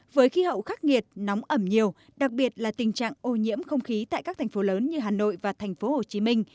với khí hậu khắc nghiệt nóng ẩm nhiều đặc biệt là tình trạng ô nhiễm không khí tại các thành phố lớn như hà nội và thành phố hồ chí minh